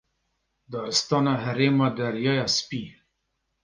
Daristana herêma Deryaya Spî.